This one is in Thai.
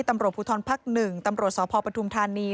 ตำรวจภูทรภักดิ์๑ตำรวจสพปทุมธานี